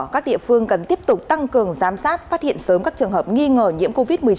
các địa phương cần tiếp tục tăng cường giám sát phát hiện sớm các trường hợp nghi ngờ nhiễm covid một mươi chín